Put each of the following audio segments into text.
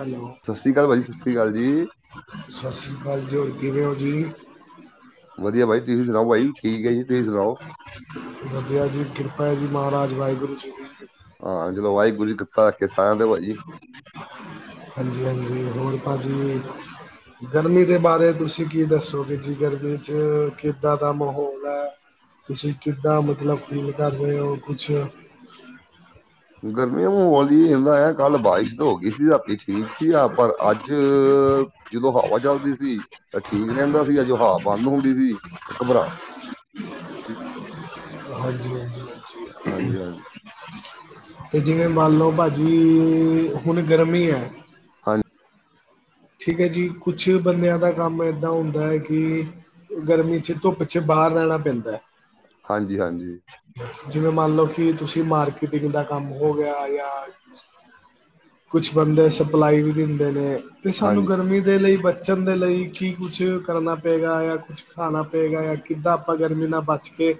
Hello. ਸਤਿ ਸ਼੍ਰੀ ਅਕਾਲ ਭਾਜੀ ਸਤਿ ਸ਼੍ਰੀ ਅਕਾਲ ਜੀ। ਸਤਿ ਸ਼੍ਰੀ ਅਕਾਲ ਜੀ ਹੋਰ ਕਿਵੇਂ ਓ ਜੀ? ਵਧੀਆ ਬਾਈ ਤੁਸੀਂ ਸੁਣਾਓ ਵਾਇਫ ਵੀ ਠੀਕ ਐ ਜੀ ਤੁਸੀਂ ਸੁਣਾਓ? ਵਧੀਆ ਜੀ ਕਿਰਪਾ ਜੀ ਮਹਾਰਾਜ ਵਾਹਿਗੁਰੂ ਜੀ ਦੀ। ਹਾਂ, ਚੱਲੋ ਵਾਹਿਗੁਰੂ ਜੀ ਕਿਰਪਾ ਰੱਖੇ ਸਾਰਿਆਂ ਤੇ ਭਾਜੀ। ਹਾਂਜੀ ਹਾਂਜੀ, ਹੋਰ ਹਾਂਜੀ ਭਾਜੀ। ਗਰਮੀ ਦੇ ਬਾਰੇ ਤੁਸੀਂ ਕੀ ਦੱਸੋ ਕਿ ਜੀ ਗਰਮੀ 'ਚ ਕਿੱਦਾਂ ਦਾ ਮਾਹੌਲ ਐ ਤੁਸੀਂ ਕਿੱਦਾਂ ਮਤਲਬ ਫੀਲ ਕਰ ਰਹੇ ਹੋ ਕੁਛ ਗਰਮੀ [unintelligible] [unintelligible] ਆ ਕੱਲ ਬਾਰਿਸ਼ ਹੋ ਗਈ ਸੀ ਰਾਤੀ ਠੀਕ ਸੀ ਆ ਪਰ ਅੱਜ ਜਦੋਂ ਹਵਾ ਚਲਦੀ ਸੀ ਠੀਕ ਰਹਿੰਦਾ ਸੀ ਜਾਂ ਜੋ ਹਵਾ ਬੰਦ ਹੁੰਦੀ ਸੀ ਘਬਰਾ ਹਾਂਜੀ ਹਾਂਜੀ, ਤੇ ਜਿਵੇਂ ਮੰਨ ਲਓ ਭਾਜੀ ਹੁਣ ਗਰਮੀ ਆ। ਹਾਂਜੀ, ਠੀਕ ਐ ਜੀ ਕੁਛ ਬੰਦਿਆਂ ਦਾ ਕੰਮ ਇੱਦਾਂ ਹੁੰਦਾ ਕਿ ਗਰਮੀ ਚ ਧੁੱਪ ਚ ਬਾਹਰ ਰਹਿਣਾ ਪੈਂਦਾ। ਹਾਂਜੀ-ਹਾਂਜੀ, ਜਿਵੇਂ ਮੰਨ ਲਓ ਕਿ ਤੁਸੀਂ ਮਾਰਕੀਟਿੰਗ ਦਾ ਕੰਮ ਹੋ ਗਿਆ। ਕੁਛ ਬੰਦੇ ਸਪਲਾਈ ਵੀ ਦਿੰਦੇ ਨੇ। ਤੇ ਸਾਨੂੰ ਹਾਂਜੀ ਗਰਮੀ ਦੇ ਲਈ ਬੱਚਣ ਦੇ ਲਈ ਕੀ ਕੁਛ ਕਰਨਾ ਪਏਗਾ ਜਾਂ ਕੁ ਖਾਣਾ ਪਏਗਾ ਜਾਂ ਕਿੱਦਾਂ ਆਪਾਂ ਗਰਮੀ ਨਾਲ ਬਚ ਕੇ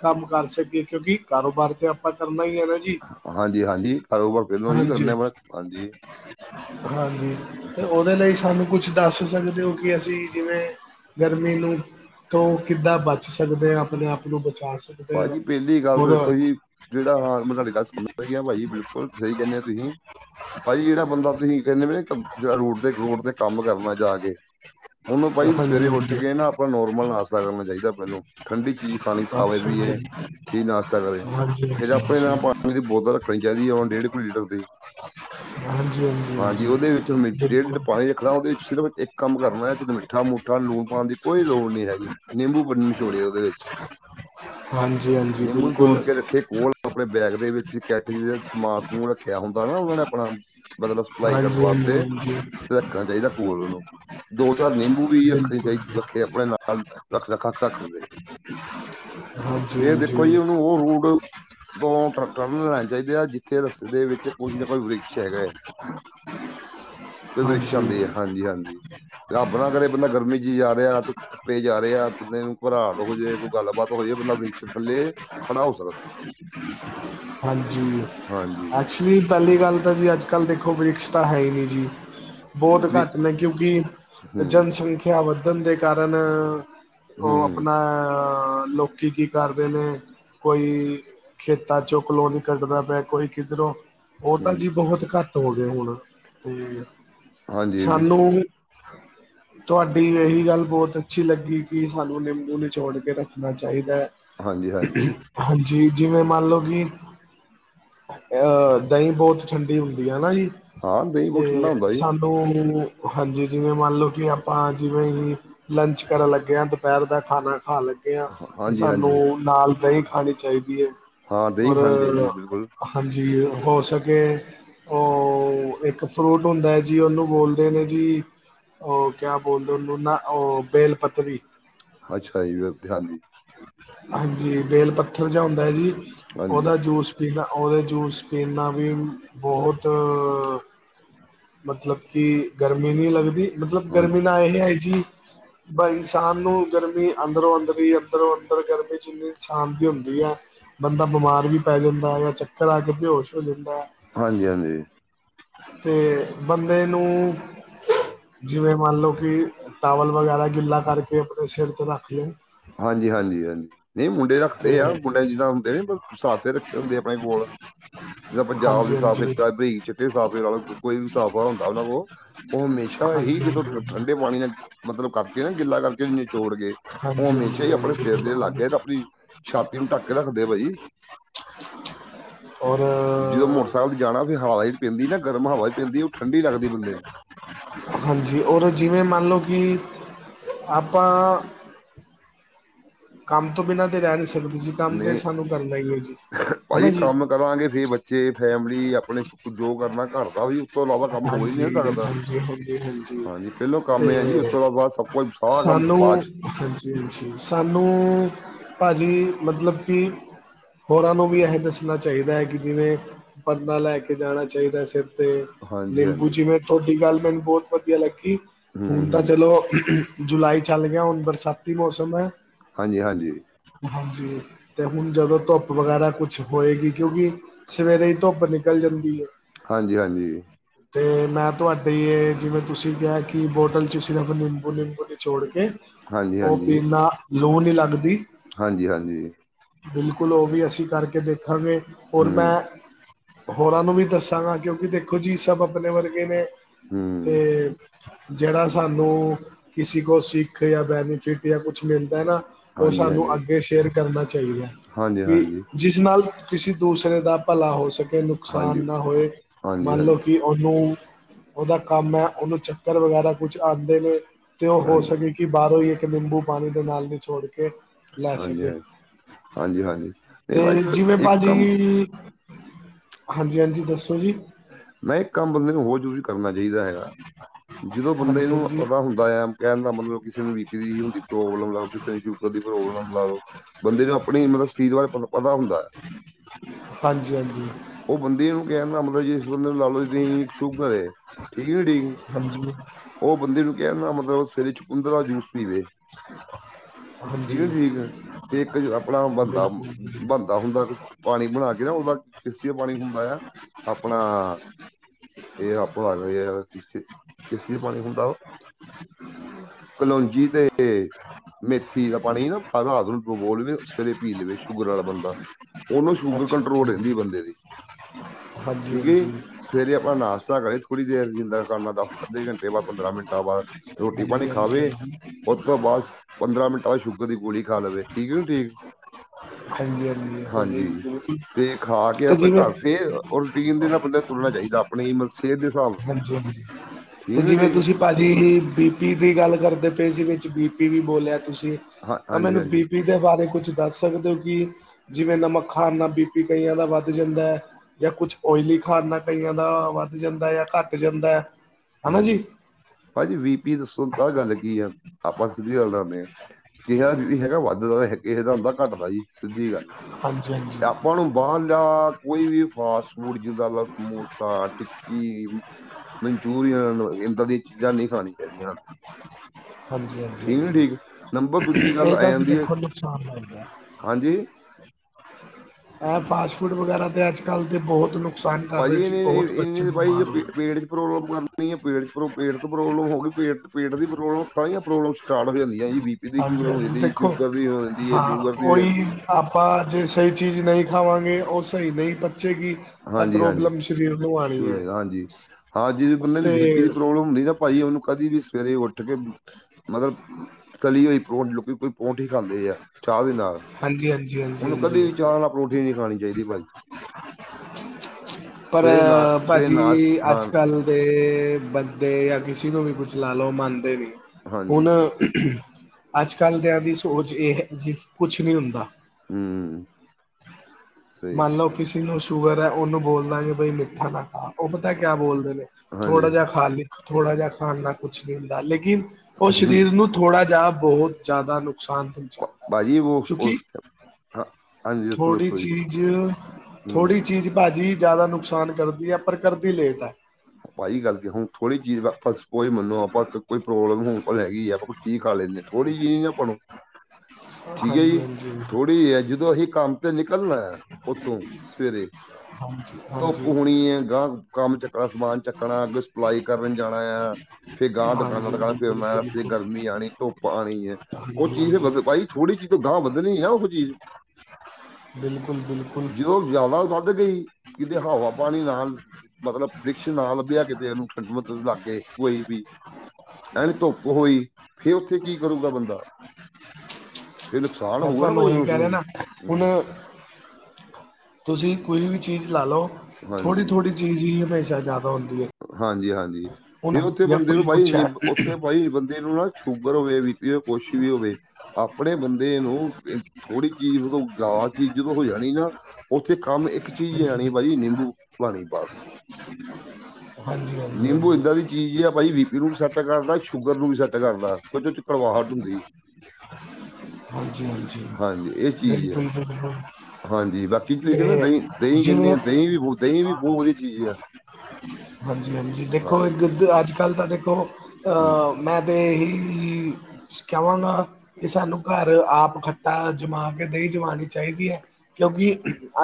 ਕੰਮ ਕਰ ਸਕੀਏ ਕਿਉਂਕਿ ਕਾਰੋਬਾਰ ਤੇ ਆਪਾਂ ਕਰਨਾ ਈ ਆ ਨਾ ਜੀ। ਹਾਂਜੀ-ਹਾਂਜੀ, [unintelligible] ਪਹਿਲੋਂ ਹੀ ਹਾਂਜੀ ਕਰਨੇ ਮੈਂ ਹਾਂਜੀ ਹਾਂਜੀ, ਤੇ ਉਹਦੇ ਲਈ ਸਾਨੂੰ ਕੁਛ ਦੱਸ ਸਕਦੇ ਓ ਕਿ ਅਸੀਂ ਜਿਵੇਂ ਗਰਮੀ ਨੂੰ ਤੋਂ ਕਿੱਦਾਂ ਬਚ ਸਕਦੇ ਆ ਆਪਣੇ ਆਪ ਨੂੰ ਬਚਾ ਸਕ ਭਾਜੀ ਪਹਿਲੀ ਗੱਲ ਤਾਂ ਦੇਖੋ ਜੀ ਜਿਹੜਾ ਹਾਂ ਮੈਂ ਤੁਹਾਡੀ ਗੱਲ ਸਮਝ ਭਾਜੀ ਬਿਲਕੁਲ ਸਹੀ ਕਹਿੰਦੇ ਤੁਸੀਂ। ਭਾਜੀ ਜਿਹੜਾ ਬੰਦਾ ਤੁਸੀਂ ਕਹਿੰਦੇ ਵੀ ਰੋਡ ਤੇ ਰੋਡ ਤੇ ਕੰਮ ਕਰਨਾ ਜਾ ਕੇ ਉਹਨੂੰ ਭਾਈ ਹਾਂਜੀ ਸਵੇਰੇ ਉੱਠ ਹਾਂਜੀ ਕੇ ਨਾ ਆਪਣਾ ਨੋਰਮਲ ਨਾਸ਼ਤਾ ਕਰਨਾ ਚਾਹੀਦਾ ਆਪਾਂ ਨੂੰ ਠੰਡੀ ਚੀਜ਼ ਖਾਣੀ ਖਾਵੇ ਅੱਛਾ ਵੀ ਐ ਜੀ ਠੀਕ ਨਾਸ਼ਤਾ ਕਰੇ ਹਾਂਜੀ ਹਾਂਜੀ ਫੇਰ ਹਾਂਜੀ ਆਪਣੇ ਨਾਲ ਪਾਣੀ ਦੀ ਬੋਤਲ ਰੱਖਣੀ ਚਾਹੀਦੀ ਐ ਹੁਣ ਡੇਢ ਕੁ ਲੀਟਰ ਦੀ। ਹਾਂਜੀ-ਹਾਂਜੀ, ਹਾਂਜੀ, ਉਹਦੇ ਵਿੱਚ ਡੇਢ ਡੇਢ ਪਾਣੀ ਰੱਖਣਾ ਉਹਦੇ ਵਿੱਚ ਸਿਰਫ ਇੱਕ ਕੰਮ ਕਰਨਾ ਜਦੋਂ ਮਿੱਠਾ ਮੁੱਠਾ ਲੂਣ ਪਾਣ ਦੀ। ਕੋਈ ਲੋੜ ਨਹੀਂ ਹੈਗੀ ਨਿੰਬੂ ਨਿਚੋੜੇ ਉਹਦੇ ਵਿੱਚ। ਹਾਂਜੀ-ਹਾਂਜੀ, ਨਿੰਮੂ ਨਿਚੋੜ ਕੇ ਰੱਖੇ ਕੋਲ ਆਪਣੇ ਬੈਗ ਦੇ ਵਿੱਚ। ਕੈਟਰੀ ਸਮਾਨ ਸਮੂਨ ਰੱਖਿਆ ਹੁੰਦਾ ਨਾ ਉਹਨਾਂ ਨੇ ਆਪਣਾ ਮਤਲਬ ਸਪਲਾਈ ਕਰਨ ਹਾਂਜੀ ਹਾਂਜੀ ਵਾਸਤੇ ਹਾਂਜੀ ਰੱਖਣਾ ਚਾਹੀਦਾ ਕੋਲ ਉਹਨੂੰ ਦੋ ਚਾਰ ਨਿੰਬੂ ਵੀ ਰੱਖਣੀ ਬਿਲਕੁਲ ਚਾਹੀ ਰੱਖੇ ਆਪਣੇ ਨਾਲ ਰੱਖ ਰੱਖ ਰੱਖ ਲਵੇ [unintelligible] ਫੇਰ ਦੇਖੋ ਜੀ ਹਾਂਜੀ ਉਹਨੂੰ ਉਹ ਰੂਟ ਕਦੋਂ [unintelligible] ਲੈਣਾ ਚਾਹੀਦਾ ਆ ਜਿੱਥੇ ਰਸਤੇ ਦੇ ਵਿੱਚ ਕੁਝ ਨਾ ਕੋਈ ਵ੍ਰਿਸ਼ ਹੈਗਾ। [unintelligible] ਕੋਈ ਵਿ੍ਰਕਸ਼ ਆਂਦੇ ਆ ਹਾਂਜੀ ਹਾਂਜੀ। ਰੱਬ ਨਾ ਕਰੇ ਬੰਦਾ ਗਰਮੀ 'ਚ ਜਾ ਰਿਹਾ ਧੁੱ ਧੱਪੇ ਜਾ ਰਹੇ ਆ ਬੰਦੇ ਨੂੰ ਘਬਰਾਟ ਹੋ ਜਾਵੇ ਕੋਈ ਗੱਲਬਾਤ ਹੋ ਜਾਏ। ਬੰਦਾ ਬ੍ਰਿਖਸ਼ ਥੱਲੇ ਖੜਾ ਹੋ ਸਕਦਾ। [inaudible] ਹਾਂਜੀ ਹਾਂਜੀ ਅੱਛਾ ਵੀ ਪਹਿਲੀ ਗੱਲ ਤਾਂ ਜੀ ਅੱਜ ਕੱਲ੍ਹ ਦੇਖੋ ਬ੍ਰਿਕਸ਼ ਤਾਂ ਹੈ ਹੀ ਨਹੀਂ ਜੀ। ਨਹੀਂ, ਬਹੁਤ ਵੀ ਘੱਟ ਨੇ ਕਿਉਂਕਿ ਹੂੰ ਜਨਸੰਖਿਆ ਵਧਣ ਦੇ ਕਾਰਨ ਉਹ ਹੂੰ ਆਪਣਾ ਲੋਕੀ ਕੀ ਕਰਦੇ ਨੇ। ਕੋਈ ਖੇਤਾਂ 'ਚੋਂ ਕਲੋਨੀ ਕੱਢਦਾ ਪਿਆ ਕੋਈ ਕਿੱਧਰੋਂ ਉਹ ਤਾਂ ਹੂੰ ਜੀ ਬਹੁਤ ਘੱਟ ਹੋ ਗਏ ਹੁਣ ਤੇ ਹਾਂਜੀ ਵੀ ਸਾਨੂੰ ਤੁਹਾਡੀ ਇਹੀ ਗੱਲ ਬਹੁਤ ਅੱਛੀ ਲੱਗੀ ਕਿ ਸਾਨੂੰ ਨਿੰਬੂ ਨਿਚੋੜ ਕੇ ਰੱਖਣਾ ਚਾਹੀਦਾ। ਹਾਂਜੀ ਹਾਂਜੀ ਹਾਂਜੀ ਜਿਵੇਂ ਮੰਨ ਲਓ ਕਿ ਅਹ ਦਹੀਂ ਬਹੁਤ ਠੰਡੀ ਹੁੰਦੀ ਹੈ ਜੀ ਹਾਂ ਦਹੀਂ ਤੇ ਬਹੁਤ ਠੰਡਾ ਹੁੰਦਾ ਜੀ ਸਾਨੂੰ ਹਾਂਜੀ ਜਿਵੇਂ ਮੰਨ ਲਓ ਕਿ ਆਪਾਂ ਜਿਵੇਂ ਹੀ ਲੰਚ ਕਰਨ ਲੱਗੇਿਆ ਦੁਪਹਿਰ ਦਾ ਖਾਣਾ ਖਾਣ ਲੱਗ ਹਾਂ- ਤੇ ਹਾਂਜੀ ਹਾਂਜੀ ਸਾਨੂੰ ਨਾਲ ਦਹੀਂ ਖਾਣੀ ਚਾਹੀਦੀ ਹੈ। ਹਾਂ, ਦਹੀਂ ਔਰ ਖਾਣੀ ਚਾਹੀਦੀ ਬਿਲਕੁਲ। ਹਾਂਜੀ ਹੋ ਸਕੇ। ਉਹ ਇੱਕ ਫਰੂਟ ਹੁੰਦਾ ਜੀ ਉਹਨੂੰ ਬੋਲਦੇ ਨੇ ਜੀ। ਉਹ ਕਿਆ ਬੋਲਦੇ ਉਹਨੂੰ ਨਾ ਉਹ ਬੇਲ ਪੱਥਰੀ ਅੱਛਾ ਜੀ ਫੇਰ ਤੇ ਹਾਂਜੀ। ਹਾਂਜੀ ਵੇਲ ਪੱਥਰ ਜਿਹਾ ਹੁੰਦਾ ਹੈ ਜੀ ਹਾਂਜੀ, ਉਹਦਾ ਜੂਸ ਪੀਨਾ ਉਹਦੇ ਜੂਸ ਪੀਨਾ ਵੀ ਬਹੁਤ ਮਤਲਬ ਕਿ ਗਰਮੀ ਨਹੀਂ ਲੱਗਦੀ ਮਤਲਬ ਹਾਂਜੀ, ਗਰਮੀ ਨਾਏ ਹੈ ਜੀ। ਇਨਸਾਨ ਨੂੰ ਗਰਮੀ ਅੰਦਰੋਂ ਅੰਦਰ ਹੀ ਅੰਦਰੋਂ ਅੰਦਰ ਗਰਮੀ ਜਿੰਨੀ ਇਨਸਾਨ ਦੀ ਹੁੰਦੀ ਆ। ਬੰਦਾ ਬਿਮਾਰ ਵੀ ਪੈ ਜਾਂਦਾ ਜਾਂ ਚੱਕਰ ਆ ਕੇ ਬੇਹਸ਼ ਹੋ ਜਾਂਦਾ। ਹਾਂਜੀ- ਹਾਂਜੀ ਤੇ ਬੰਦੇ ਨੂੰ ਜਿਵੇਂ ਮੰਨ ਲਓ ਕਿ ਟਾਵਲ ਵਗੈਰਾ ਗਿੱਲਾ ਕਰਕੇ ਆਪਣੇ ਸਿਰ ਤੇ ਰੱਖ ਲਏ। ਹਾਂਜੀ -ਹਾਂਜੀ -ਹਾਂਜੀ ਨਹੀਂ ਮੁੰਡੇ ਤੇ ਰੱਖਦੇ ਆ ਮੁੰਡੇ ਜਿੱਦਾਂ ਹੁੰਦੇ ਨੇ ਸਾਫ਼ੇ ਰੱਖੇ ਹੁੰਦੇ ਆਪਣੇ ਕੋਲ ਜਿੱਦ ਪੰਜਾਬ ਹਾਂਜੀ ਦੇ ਹਾਂਜੀ ਸਾਫ਼ੇ ਬਰੀਕ ਛਿੱਟੇ ਸਾਫੇ ਨਾਲ ਕੋਈ ਵੀ ਸਾਫ਼ਾ ਹੁੰਦਾ ਉਹਨਾਂ ਕੋਲ ਉਹ ਹਮੇਸ਼ਾ ਹੀ ਹਾਂਜੀ ਜਦੋਂ ਹਾਂਜੀ ਹਾਂਜੀ ਠੰਡੇ ਪਾਣੀ ਨਾਲ ਮਤਲਬ ਕਰਕੇ ਨਾ ਗਿੱਲਾ ਕਰਕੇ ਨਿਚੋੜ ਕੇ ਉਹ ਹਾਂਜੀ ਹਮੇਸ਼ਾ ਹੀ ਹਾਂਜੀ ਆਪਣੇ ਹਾਂਜੀ ਸਿਰ ਦੇ ਬਿਲਕੁਲ ਲਾਗੇ ਤੇ ਆਪਣੀ ਛਾਤੀ ਨੂੰ ਢੱਕ ਕੇ ਰੱਖਦੇ ਬਈ। ਔਰ ਜਦੋਂ ਮੋਟਰਸਾਈਕਲ ਜਾਣਾ ਫਿਰ ਹਵਾ ਪੈਂਦੀ ਨਾ ਗਰਮ ਹਵਾ ਪੈਂਦੀ ਉਹ ਠੰਡੀ ਲੱਗਦੀ ਬੰਦੇ ਨੂੰ ਹਾਂਜੀ ਔਰ ਜਿਵੇਂ ਮੰਨ ਲਓ ਕਿ ਆਪਾਂ ਕੰਮ ਤੋਂ ਬਿਨਾਂ ਤੇ ਰਹਿ ਨਹੀਂ ਸਕਦੀ ਜੀ ਕੰਮ ਤੇ ਨਹੀਂ ਸਾਨੂੰ ਕਰਨਾ ਹੀ ਹੈ ਜੀ। ਹਨਾ ਭਾਜੀ ਜੀ ਕੰਮ ਕਰਾਂਗੇ ਫੇਰ ਬੱਚੇ ਫੈਮਿਲੀ ਆਪਣੇ ਜੋ ਕਰਨਾ ਘਰ ਦਾ ਵੀ ਉਸਤ ਤੋਂ ਇਲਾਵਾ ਕੰਮ ਹੋ ਹੀ ਨ ਹਾਂਜੀ ਸਕਦਾ ਹਾਂਜੀ ਹਾਂਜੀ ਹਾਂਜੀ ਪਹਿਲੋ ਕੰਮ ਆ ਜੀ ਤੇ ਉਤੋਂ ਇਲਾਵਾ ਬਾਦ ਸਭ ਕੁਛ ਹੋਰ ਕੰਮ ਸਾਨੂੰ ਬਾਅਦ 'ਚ ਹਾਂਜੀ -ਹਾਂਜੀ ਸਾਨੂੰ ਭਾਜੀ ਮਤਲਬ ਕਿ ਹੋਰਾਂ ਨੂੰ ਵੀ ਇਹ ਦੱਸਣਾ ਚਾਹੀਦਾ ਹੈ ਕਿ ਜਿਵੇਂ ਪਰਨਾ ਲੈ ਕੇ ਜਾਣਾ ਚਾਹੀਦਾ ਸਿਰ ਤੇ ਹਾਂਜੀ ਨਿੰਬੂ ਹਾਂਜੀ ਜਿਵੇਂ ਤੁਹਾਡੀ ਗੱਲ ਮੈਨੂੰ ਬਹੁਤ ਵਧੀਆ ਲੱਗੀ। ਹੂੰ ਹੁਣ ਹੂੰ, ਤਾਂ ਹੂੰ। ਚਲੋ ਜੁਲਾਈ ਚੱਲ ਗਿਆ ਹੁਣ ਬਰਸਾਤੀ ਮੌਸਮ ਹੈ ਹਾਂਜੀ ਹਾਂਜੀ ਹਾਂਜੀ ਤੇ ਹੁਣ ਜਦੋਂ ਧੁੱਪ ਵਗੈਰਾ ਕੁਛ ਹੋਏਗੀ ਕਿਉਂਕਿ ਸਵੇਰੇ ਹੀ ਧੁੱਪ ਨਿਕਲ ਜਾਂਦੀ ਹੈ। ਹਾਂਜੀ -ਹਾਂਜੀ ਅਤੇ ਮੈਂ ਤੁਹਾਡੀ ਇਹ ਜਿਵੇਂ ਤੁਸੀਂ ਕਿਹਾ ਕਿ ਬੋਟਲ 'ਚ ਸਿਰਫ ਨਿੰਬੂ- ਨਿੰਬੂ ਨਿਚੋੜ ਕੇ ਹਾਂਜੀ ਉਹ ਹਾਂਜੀ ਪੀਨਾ ਨਾਲ ਲੂ ਨਹੀਂ ਲੱਗਦੀ। ਹਾਂਜੀ -ਹਾਂਜੀ ਬਿਲਕੁਲ ਉਹ ਵੀ ਅਸੀਂ ਕਰਕੇ ਦੇਖਾਂਗੇ ਹੋਰ ਹੂੰ ਮੈਂ ਹੋਰਾਂ ਨੂੰ ਵੀ ਦੱਸਾਂਗਾ ਕਿਉਂਕਿ ਦੇਖੋ ਜੀ ਸਭ ਆਪਣੇ ਵਰਗੇ ਨੇ ਹੂੰ ਤੇ ਜਿਹੜਾ ਸਾਨੂੰ ਕਿਸੇ ਕੋਲ ਸਿੱਖ ਜਾਂ ਬੈਨੀਫਿਟ ਜਾਂ ਕੁਛ ਮਿਲਦਾ ਨਾ ਉਹ ਹਾਂਜੀ ਸਾਨੂੰ ਹਾਂਜੀ ਅੱਗੇ ਸ਼ੇਅਰ ਕਰਨਾ ਚਾਹੀਦਾ ਹੈ ਹਾਂਜੀ ਕਿ ਹਾਂਜੀ ਜਿਸ ਨਾਲ ਕਿਸੇ ਦੂਸਰੇ ਦਾ ਭਲਾ ਹੋ ਸਕੇ ਨੁਕਸਾਨ ਹਾਂਜੀ ਨਾ ਹਾਂ, ਹੋਏ ਹਾਂਜੀ ਮੰਨ ਲਓ ਹਾਂਜੀ ਕਿ ਉਹਨੂੰ ਉਹਦਾ ਕੰਮ ਹੈ ਉਹਨੂੰ ਚੱਕਰ ਵਗੈਰਾ ਕੁਛ ਆਉਂਦੇ ਨੇ ਤੇ ਉਹ ਹਾਂਜੀ ਹੋ ਹਾਂਜੀ ਸਕੇ ਕਿ ਬਾਹਰੋਂ ਹੀ ਇੱਕ ਨਿੰਬੂ ਪਾਣੀ ਦੇ ਨਾਲ ਨਛੋੜ ਕੇ ਲੈ ਸਕੇ ਹਾਂਜੀ ਹਾਂਜੀ ਹਾਂਜੀ। ਨਹੀਂ ਭਾਈ ਤੇ ਸਾਹਿਬ, ਜੀਵੇ ਇੱਕ ਕੰਮ ਭਾਜੀ ਹਾਂਜੀ ਹਾਂਜੀ ਦੱਸੋ ਜੀ ਮ ਇੱਕ ਕੰਮ ਬੰਦੇ ਨੂੰ ਹੋਰ ਜ਼ਰੂਰੀ ਕਰਨਾ ਚਾਹੀਦਾ ਹੈਗਾ ਜਦੋਂ ਬੰਦੇ ਹਾਂਜੀ ਨੂੰ ਹਾਂਜੀ ਪਤਾ ਹੁੰਦਾ ਹਦਾ ਐ ਕਹਿਣ ਦਾ ਮਤਲਬ ਕਿਸੇ ਨੂੰ ਬੀ ਪੀ ਦੀ ਹ ਪ੍ਰੋਬਲਮ ਲਾਓ ਕਿਸੇ ਨੂੰ ਸ਼ੂਗਰ ਦੀ ਪ੍ਰੋਬਲਮ ਲਾ ਲਓ ਬੰਦੇ ਨੂੰ ਆਪਣੀ ਮਤਲਬ ਚੀਜ਼ ਬਾਰੇ ਪਤਾ ਹੁੰਦਾ ਹੈ ਹਾਂਜੀ ਠੀਕ। ਹਾਂਜੀ ਉਹ ਬੰਦੇ ਨੂੰ ਕਹਿਣਦਾ ਮਤਲਬ ਜੇ ਇਸ ਬੰਦੇ ਨੂੰ ਲ ਲੋਓ ਸ਼ੂਗਰ ਏ ਠੀਕ ਨੀ ਠੀਕ ਹਾਂਜੀ ਉਹ ਬੰਦੇ ਨੂੰ ਕਹਿ ਨਾ ਮਤਲਬ ਸਵੇਰੇ ਚਕੁੰਦਰ ਦਾ ਜੂਸ ਪੀਵੇ ਹੂੰ ਠੀਕ ਠੀਕ ਤੇ ਇੱਕ ਆਪਣਾ ਬੰਦਾ ਬਿਲਕੁਲ ਬਿਲਕੁਲ। ਬਣਦਾ ਹੁੰਦਾ ਕੁ ਪਾਣੀ ਬਣਾ ਕੇ ਨਾ ਉਹਦਾ ਕਿਸ਼ਤੀ ਦਾ ਪਾਣੀ ਹੁੰਦਾ ਆ ਆਪਣਾ ਇਹ ਆਪਾਂ ਆ ਗ ਆ ਯਾਰ ਕਿਸ਼ ਤਰ੍ਹਾਂ ਦਾ ਪਾਣੀ ਹੁੰਦਾ ਵ ਕਲੋਂਜੀ ਤੇ ਮੇਥੀ ਦਾ ਪਾਣੀ ਨਾ ਰਾਤ ਨੂੰ ਡਬੋ ਲਵੇ ਸਵੇਰੇ ਪੀ ਲਵੇ ਸ਼ੂਗਰ ਵਾਲਾ ਬੰਦਾ ਉਹਨੂੰ ਸ਼ੂਗਰ ਅੱਛਾ ਕੰਟਰੋਲ ਅੱਛਾ ਰਹਿੰਦੀ ਬੰਦੇ ਦੀ ਹਾਂਜੀ ਠੀਕ ਹੈ ਜੀ ਹਾਂਜੀ ਸਵੇਰੇ ਆਪਣਾ ਨਾਸ਼ਤਾ ਕਰੇ ਥੋੜ੍ਹੀ ਦੇਰ ਜਿੰਦਾ ਕਰਨਾ ਦਸ ਅੱਧੇ ਘੰਟੇ ਬਾਅਦ ਪੰਦਰਾਂ ਮਿੰਟਾਂ ਬਾਅਦ ਰੋਟੀ ਪਾਣੀ ਹਾਂਜੀ ਹਾਂਜੀ ਖਾਵੇ ਹਾਂਜੀ ਹਾਂਜੀ ਉਸ ਤੋਂ ਬਾਅਦ ਪੰਦਰਾਂ ਮਿੰਟਾਂ ਬਾਅਦ ਸ਼ੂਗਰ ਦੀ ਗੋਲੀ ਖਾ ਲਵੇ ਠੀਕ ਹੈੀ ਠੀਕ ਹਾਂਜੀ ਹੋ ਜਾਏਗੀ ਹਾਂਜੀ ਬਿਲਕੁਲ ਤੇ ਖਾ ਕੇ ਤੇ ਆਪਾਂ ਜਿਵੇਂ ਘਰ ਫੇਰ ਉਹ ਰੂਟੀਨ ਦੇ ਨਾਲ ਬੰਦੇ ਨੂੰ ਤੁਰਣਾ ਚਾਹੀਦਾ ਆਪਣੀ ਮਤਲਬ ਸਿਹਤ ਦੇ ਹਿਸਾਬ ਨਾਲ ਹਾਂਜੀ ਹਾਂਜੀ ਠੀਕ ਤੇ ਨ ਜਿਵੇਂ ਠੀਕ ਤੁਸੀਂ ਭਾਜੀ ਬੀ ਪੀ ਦੀ ਗੱਲ ਕਰਦੇ ਪਏ ਸੀ ਵਿੱਚ ਬੀ ਪੀ ਵੀ ਬੋਲਿਆ ਤੁਸੀਂ ਹਾਂ ਤਾਂ ਹਾਂਜੀ ਮੈਨੂੰ ਬੀ ਹਾਂਜੀ ਪੀ ਦੇ ਬਾਰੇ ਕੁਛ ਦੱਸ ਸਕਦੇ ਹੋ ਕਿ ਜਿਵੇਂ ਨਮਕ ਖਾ ਨਾਲ ਬੀ ਪੀ ਕਈਆਂ ਦਾ ਵੱਧ ਜਾਂਦਾ ਹੈ ਜਾਂ ਕੁਛ ਓਇਲੀ ਖਾਣ ਨਾਲ ਕਈਆਂ ਦਾ ਵੱਧ ਜਾਂਦਾ ਜਾਂ ਘੱਟ ਜਾਂਦਾ ਹਨਾ ਹਾਂਜੀ। ਜੀ ਭਾਜੀ ਵੀ ਪੀ ਦੱਸੋ ਆ ਗੱਲ ਕੀ ਆ ਆਪਾਂ ਸਿੱਧੀ ਗੱਲ ਕਰਦੇ ਹਾਂ ਕਿਸੇ ਦਾ ਹੈਗਾ ਵੱਧਦਾ ਕਿਸੇ ਦਾ ਹੁੰਦਾ ਘੱਟਦਾ ਜੀ ਸਿੱਧੀ ਗੱਲ ਹੈ ਹਾਂਜੀ ਹਾਂਜੀ ਤੇ ਆਪਾਂ ਨੂੰ ਬਾਹਰ ਲਿਆ ਕੋਈ ਵੀ ਫਾਸਟ ਫੂਡ ਜਿਦਾ ਸਮੋਸਾ ਕੀ ਚੂਰ ਹੀਨਾਂ ਨੂੰ ਇੱਦਾਂ ਦੀਆਂ ਚੀਜ਼ਾਂ ਨਹੀਂ ਖਾਣੀ ਚਾਹੀਦੀਆਂ ਹਨ ਹਾਂਜੀ-ਹਾਂਜੀ-ਹਾਂਜੀ, ਨੰਬਰ ਦੂਜੀ ਗੱਲ ਇਹ ਆ ਤਾਂ ਜਾਂਦੀ ਹੈ ਦੇਖੋ ਨੁਕਸਾਨਦਾ- ਹਾਂਜੀ। ਏ ਫਾਸਟ ਫੂਡ ਵਗੈਰਾ ਤੇ ਅੱਜ ਕੱਲ੍ਹ ਦੇ ਬਹੁਤ ਲੋਕ [unintelligible] ਭਾਜੀ ਰਹੇ। ਪੇਟ ਚ ਪ੍ਰੋਬਲਮ ਕਰਨੀ ਪੇਟ ਪੇਟ ਚ ਪ੍ਰੋਬਲਮ ਹੋ ਗਈ ਪੇਟ ਪੇਟ ਦੀ ਪ੍ਰੋਬਲਮ ਸਾਰੀਆਂ ਪ੍ਰੋਬਲਮ ਸਟਾਰਟ ਹੋ ਜਾਂਦੀਆਂ ਜੀ, ਬੀ ਪੀ ਦੀ ਹਾਂਜੀ ਸ਼ੂਗਰ, ਦੀ ਸ਼ੂਗਰ ਦੀ ਹੋ ਜਾਂਦੀ ਲੀਵਰ। ਦੀ ਹੋ ਕੋਈ ਜਾਂਦੀ ਹੈ ਆਪਾਂ ਜੇ ਸਹੀ ਚੀਜ਼ ਨਹੀਂ ਖਾਵਾਂਗੇ, ਉਹ ਸਹੀ ਨਹੀਂ ਪਚੇਗੀ। ਤਾਂ ਪ੍ਰੋਬਲਮ ਸਰੀਰ ਨੂੰ ਆਉਣੀ ਹੈ ਹਾਂਜੀ-ਹਾਂਜੀ-ਹਾਂਜੀ, ਹਾਂ ਜੇ ਬੰਦੇ ਨੂੰ ਤੇ ਬੀ ਪੀ ਦੀ ਪ੍ਰੋਬਲਮ ਹੁੰਦੀ ਨਾ ਭਾਜੀ ਉਹਨੂੰ ਕਦੀ ਵੀ ਸਵੇਰੇ ਉੱਠ ਕੇ, ਮਤਲਬ ਤਲੀ ਹੋਈ ਪਰੋਟ ਲੁਕੀ ਪ੍ਰੋਠੀ ਖਾਂਦੇ ਆ, ਚਾਹ ਦੇ ਨਾਲ, ਹਾਂਜੀ ਹਾਂਜੀ ਹਾਂਜੀ ਉਹਨੂੰ ਕਦੇ ਹਾਂਜੀ ਵੀ ਚਾਹ ਨਾਲ ਪਰੋਠੀ ਨਹੀਂ ਖਾਣੀ ਚਾਹੀਦੀ ਭਾਜੀ। ਪਰ, ਸਵੇਰੇ ਨਾ ਸਵੇਰੇ ਨਾਸ਼ ਭਾਅਜੀ ਅੱਜ ਹਾਂ ਕੱਲ੍ਹ ਤੇ, ਬੰਦੇ ਜਾਂ ਕਿਸੇ ਨੂੰ ਵੀ ਕੁਛ ਲਾ ਲਓ, ਮੰਨਦੇ ਨਹੀਂ, ਹੁਣ ਹਾਂਜੀ ਅੱਜ ਕੱਲ ਦਿਆਂ ਦੀ ਸੋਚ ਇਹ ਹੈ ਜੀ, ਕੁੱਛ ਨਹੀਂ ਹੁੰਦਾ। ਹੂੰ ਸਹੀ ਮੰਨ ਲਓ ਕਿਸੇ ਨੂੰ ਸ਼ੂਗਰ ਹੈ, ਉਹਨੂੰ ਬੋਲ ਨਾਲੇ ਬਈ ਮਿੱਠਾ ਨਾ ਖਾ। ਉਹ ਪਤਾ ਕਿਆ ਬੋਲਦੇ ਨੇ, ਹਾਂਜੀ ਥੋੜ੍ਹਾ ਜਿਹਾ ਖਾ ਲੀ। ਥੋੜਾ ਜਿਹਾ ਖਾਣ ਨਾਲ ਕੁਛ ਨਹੀਂ ਹੁੰਦਾ ਲੇਕਿਨ ਉਹ ਹੂੰ ਸਰੀਰ ਨੂੰ ਥੋੜਾ ਜਾਹਾ ਬਹੁਤ ਜਿਆਦਾ ਨੁਕਸਾਨ ਹੁੰ ਭਾਜੀ [unintelligible] ਹਾਂਜੀ ਦੱਸੋ ਥੋੜ੍ਹੀ ਦੱਸੋ ਜੀ ਚੀਜ਼, ਥੋੜ੍ਹੀ ਹੂੰ। ਚੀਜ਼ ਭਾਜੀ ਜ਼ਿਆਦਾ ਨੁਕਸਾਨ ਕਰਦੀ ਹੈ, ਪਰ ਕਰਦੀ ਲੇਟ ਹੈ। ਭਾਜੀ, ਗੱਲ ਕੀ ਹੁਣ, ਥੋੜੀ ਚੀਜ਼ ਆਪਾਂ ਸਪੋਜ਼ ਮੰਨੋ ਆਪਾਂ ਕੋਈ ਪ੍ਰੋਬਲਮ ਹੁਣ ਓਪਨ ਹੈਗੀ ਆ ਚੀਜ ਖਾ ਲੈਂਦੇ, ਥੋੜ੍ਹੀ ਜਹੀ ਨਾ ਅਪਣੁਂ [inaudible] ਠੀਕ ਹੈ ਹਾਂਜੀ ਜੀ, ਹਾਂਜੀ ਥੋੜ੍ਹੀ ਜ ਹੈ ਜਦੋਂ ਅਸੀਂ ਕੰਮ ਤੇ ਨਿਕਲਣਾ, ਉਤੋ ਸਵੇਰੇ ਹਾਂਜੀ। ਧੁੱਪ ਹਾਂਜੀ ਹੋਣੀ ਆ, ਗਾਹਕ ਕੰਮ ਚੱਕਣਾ, ਸਮਾਨ ਚੱਕਣਾ, ਅੱਗੋ ਸਪਲਾਈ ਕਰਨ ਜਾਣਾ ਆ ਫੇਰ ਗਾਂਦ ਖਾਨਾ ਹਾਂਜੀ ਦੁਕਾਨ ਫਿਰ ਬਿਲਕੁਲ ਮੈੰ ਤਸਤੇ, ਬਿਲਕੁਲ ਗਰਮੀ ਆਣੀ, ਧੁੱਪ ਆਣੀ ਏ, ਉਹ ਹਾਂਜੀ ਚੀਜ਼ ਏ ਹਾਂਜੀ ਬਸ ਭਾਜੀ ਥੋੜੀ ਜਿਹੀ ਤ ਗਾਂਹ ਵਧਣੀ ਏ ਉਹ ਚੀਜ਼ ਬਿਲਕੁਲ-ਬਿਲਕੁਲ। ਜਾਈਦਾ ਵੱਧ ਗਈ, ਕਿਤੇ ਹਵਾ-ਪਾਣੀ ਨਾਲ ਮਤਲਬ ਬ੍ਰਿਕਸ਼ ਨਾ ਲੱਭਿਆ ਕਿਤੇ, ਓਹਨੂੰ ਠੰਡੂ ਮਗ ਲਾਗੇ ਕੋਈ ਵੀ ਐਨ ਧੁੱਪ ਹੋਈ, ਫੇਰ ਉੱਥੇ ਕੀ ਕਰੂਗਾ ਬੰਦਾ। ਫੇਰ ਨੁਕਸਾਨ ਮੈਂ ਹਊਗਾ ਨਾ ਤੁਹਾਨੂੰ ਭਾਜੀ ਉਹੀ ਕਹਿ ਰਿਹਾ ਉਸਨੂੰ, ਨਾ ਹੁਂ। ਹੁਣ ਤੁਸੀਂ ਕੋਈ ਵੀ ਚੀਜ਼ ਲਾ ਲਓ, ਥੋੜੀ-ਥੋੜੀ ਜੀ-ਜੀ, ਹਮੇਸ਼ਾ ਜ਼ਿਆਦਾ ਹੁੰਦੀ ਹੈ। ਹਾਂਜੀ-ਹਾਂਜੀ। ਹੁਣ ਫਿਰ ਉੱਥੇ ਜਾਂ ਬੰਦੇ ਕੋਈ ਨੂੰ ਭਾਜੀ ਕੁਛ ਹੈ ਨਿਬ, ਉੱਥੇ ਭਾਜੀ ਬੰਦੇ ਨੂੰ ਨਾ ਸ਼ੂਗਰ ਹੋਵੇ, ਬੀ ਪੀ ਹੋ, ਕੁਛ ਵੀ ਹੋਵੇ ਆਪਣੇ ਬੰਦੇ ਨੂੰ, ਥੋੜੀ ਚੀਜ਼ ਮਤਲਬ ਜ਼ਿਆਦਾ ਚੀਜ਼ ਜਦੋਂ ਹੋ ਜਾਣੀ ਨਾ ਉੱਥੇ ਕੰਮ ਇੱਕ ਚੀਜ਼ ਆਣੀ ਭਾਜੀ, ਨਿੰਬੂ ਪਾਣੀ ਬਸ। ਹਾਂਜੀ-ਹਾਂਜੀ, ਨਿੰਬੂ ਹਾਂਜੀ। ਏਦਾਂ ਦੀ ਚੀਜ਼ ਆ ਭਾਜੀ, ਬੀ ਪੀ ਨੂੰ ਵੀ ਸੈਟ ਕਰਦਾ, ਸ਼ੂਗਰ ਨੂੰ ਵੀ ਸੈੱਟ ਕਰਦਾ, ਕਿਉੰਕਿ ਓਚ ਕੜਵਾਹਟ ਹੁੰਦੀ ਏ। ਹਾਂਜੀ-ਹਾਂਜੀ, ਹਾਂਜੀ ਇਹ ਚੀਜ਼ ਆ ਬਿਲਕੁਲ-ਬਿਲਕੁਲ। ਹਾਂਜੀ, ਬਾਕੀ ਕਈ ਕਹਿੰਦੇ ਦਹੀਂ, ਦਹੀਂ ਕਹਿੰਦੇ ਆ, ਜਿਵੇਂ ਦਹੀਂ ਵੀ ਬਹੁਤ, ਦਹੀਂ ਵੀ ਬਹੁਤ ਵਧੀਆ ਚੀਜ਼ ਆ। ਹਾਂਜੀ-ਹਾਂਜੀ, ਦੇਖੋ ਹਾਂਜੀ ਇੱਕਧ ਅੱਜ-ਕੱਲ੍ਹ ਤਾਂ ਦੇਖੋ ਹੂੰ। ਅ, ਮੈਂ ਤੇ ਇਹੀ ਕਵਾਂਗਾ ਕਿ ਸਾਨੂੰ ਘਰ ਫੇਰ ਆਪ ਖੱਟਾ ਜਮਾ ਕੇ, ਦਹੀ ਜਮਉਣੀ ਚਾਹੀਦੀ ਹੈ? ਕਿਉਂਕਿ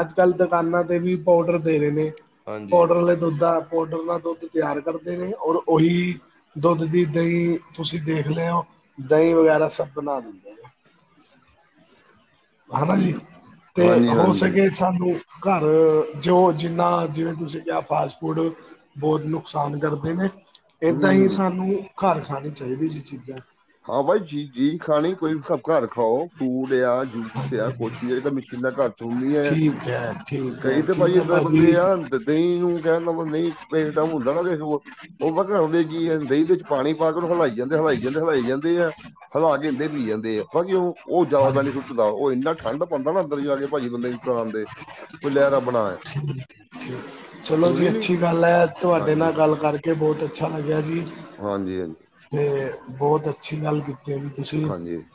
ਅੱਜ-ਕੱਲ ਦੁਕਾਨਾਂ ਤੇ ਵੀ ਪਾਊਡਰ ਦੇ ਰਹੇ ਨੇ। ਹਾਂਜੀ ਪੌਡਰਲੇ ਦੁੱਧ ਆ, ਪੌਡਰ ਦਾ ਦੁੱਧ ਤਿਆਰ ਕਰਦੇ ਨੇ, ਔਰ ਉਹੀ ਦੁੱਧ ਦੀ ਦਹੀਂ, ਤੁਸੀਂ ਦੇਖ ਲਓ, ਦਹੀਂ ਵਗੈਰਾ ਸਭ ਬਣਾ ਦਿੰਦੇ ਨੇ ਹਨਾ ਜੀ, ਹੂੰ, ਤੇ ਹਾਂਜੀ ਹੋ ਹਾਂਜੀ ਸਕੇ ਸਾਨੂੰ ਘਰ, ਜੋ ਜਿੰਨਾ, ਜਿਵੇਂ ਤੁਸੀਂ ਕਿਹਾ ਫਾਸਟ ਫੂਡ ਬਹੁਤ ਨੁਕਸਾਨ ਕਰਦੇ ਨੇ, ਏਦਾਂ ਹੀ ਹੂੰ ਸਾਨੂੰ ਘਰ ਖਾਣੀ ਚਾਹੀਦੀ ਜੀ ਚੀਜ਼ਾਂ। ਹਾਂ ਬਾਈ, ਜੀ ਚੀਜ ਖਾਣੀ ਕੋਈ ਵੀ, ਸਭ ਘਰ ਖਾਓ। ਫਰੂਟ ਆ, ਜੂਸ ਆ, ਕੁਛ ਵੀ, ਇਹ ਤਾਂ ਮਸ਼ੀਨਾਂ ਘਰ ਚ ਹੁੰਦੀਆਂ ਹੈ। ਠੀਕ ਹੈ ਠੀਕ ਹੈ ਕਈ ਤੇ ਠੀਕ ਭਾਈ ਹੈ ਇੱਦਾਂ ਦੇ ਭਾਜੀ ਬੰਦੇ ਆ ਦਹੀਂ ਨੂੰ ਕਹਿ ਦਿੰਨਾ, ਮਤ ਨਹੀਂ ਪੇਸ਼ਟਮ ਹੁੰਦਾ ਨਾ ਉਹ ਉਹ [unintelligible] ਜੀ ਦਹੀਂ ਦੇ ਵਿੱਚ ਪਾਣੀ ਪਾ ਕੇ ਉਹਨੂ ਹਿਲਾਈ ਜਾਂਦੇ ਹਿਲਾਈ ਜਾਂਦੇ ਹਿਲਾਈ ਜਾਂਦੇ ਆ ਹਿਲਾ ਕੇ ਏਦੇ ਈ ਪੀ ਜਾਂਦੇ ਆ ਬਾਕੀ ਉਹ ਉਹ ਜ਼ਿਆਦਾ ਹਾਂਜੀ ਬੈਨੀਫਿਟ ਦਾ, ਉਹ ਇੰਨਾ ਠੰਢ ਪਉਦਾ ਨਾ ਅੰਦਰ ਜਾ ਕੇ ਭਾਜੀ, ਬੰਦੇ ਇਨਸਰਾਨ ਦੇ, ਕੋਈ ਲਹਿਰਾ ਬਣਾਏ। ਹ ਚਲੋ ਜੀ ਅੱਛੀ ਗੱਲ ਹੈ, ਤੁਹਾਡੇ ਨਾਲ ਹਾਂਜੀ ਗ ਤੇ ਬਹੁਤ ਅੱਛਾ ਲੱਗਿਆ ਜੀ। ਹਾਂਜੀ-ਹਾਂਜੀ। ਤੇ ਬਹੁਤ ਅੱਛੀ ਗੱਲ ਕੀਤੀ ਹੈ ਜ ਤੁਸੀਂ, ਹਾਂਜੀ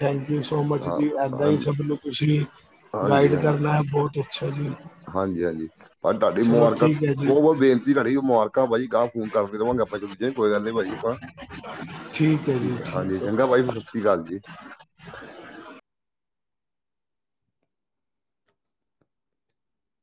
ਥੈਂਕ ਯੂ ਸੋ ਮਚ। ਹਾਂ ਜੀ ਇੱਦਾਂ ਹੀ ਹਾਂ- ਸਭ ਨੂੰ ਤੁਸੀਂ ਗਾਈਡ ਕਰਨਾ ਹੈ ਬਹੁਤ ਅੱਛਾ ਜੀ। ਹਾਂਜੀ-ਹਾਂਜੀ, ਪਰ ਤੁਹਾਡੀ ਚਲੋ ਮੁਬਾਰਕਾਂ- ਠੀਕ ਹੈ ਜੀ ਬਹੁਤ ਬਹੁ ਬੇਨਤੀ ਤੁਹਾਡੀ, ਮੁਬਾਰਕਾਂ ਭਾਜੀ, ਗਾਲ-ਗੁਲ ਫੋਨ ਕਰਦੇ ਰਵਾਂਗੇ ਆਪਾਂ, ਇਕ ਦੁਜੇ ਕੋਈ ਗੱਲ ਨਹੀਂ ਭਾਜੀ ਆਪਾਂ। ਹੈ ਜੀ ਠੀਕ ਆ, ਹਾਂਜੀ ਹੈ ਚੰਗਾ ਭਾਜੀ ਸਤਿ ਸ੍ਰੀ ਕਾਲ ਜੀ।